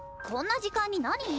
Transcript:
こんな時間に何？